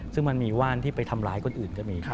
ซึ่งมันมีว่านที่ไปทำร้ายคนอื่นก็มี